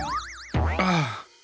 ああ。